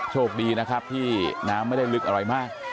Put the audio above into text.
โชคดีนะครับที่น้ำไม่ได้ลึกอะไรมาก